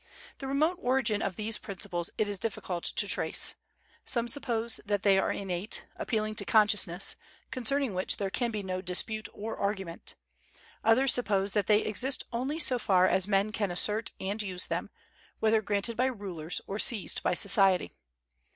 The remote origin of these principles it is difficult to trace. Some suppose that they are innate, appealing to consciousness, concerning which there can be no dispute or argument. Others suppose that they exist only so far as men can assert and use them, whether granted by rulers or seized by society.